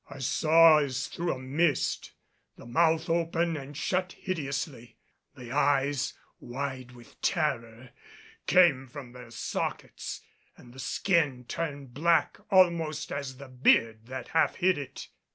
I saw as through a mist the mouth open and shut hideously, the eyes, wide with terror, come from their sockets and the skin turn black almost as the beard that half hid it.